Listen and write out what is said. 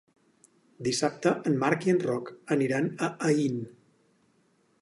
Dissabte en Marc i en Roc aniran a Aín.